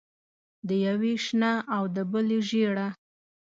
د یوې شنه او د بلې ژېړه.